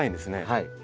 はい。